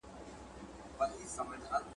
خو د مېړونو لرونکو ماینو حال هم